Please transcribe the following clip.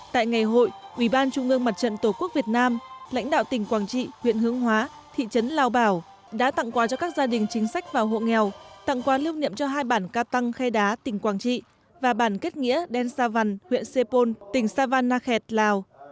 tại ngày hội ủy ban trung ương mặt trận tổ quốc việt nam lãnh đạo tỉnh quảng trị huyện hướng hóa thị trấn lao bảo đã tặng quà cho các gia đình chính sách và hộ nghèo tặng quà lưu niệm cho hai bản ca tăng khe đá tỉnh quảng trị và bản kết nghĩa đen sa văn huyện sê pôn tỉnh savanna khẹt lào